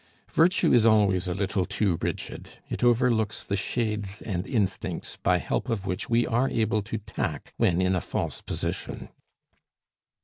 Virtue is always a little too rigid; it overlooks the shades and instincts by help of which we are able to tack when in a false position.